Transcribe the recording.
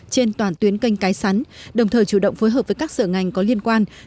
trên toàn tuyến kênh cái sắn đồng thời chủ động phối hợp với các sở ngành có liên quan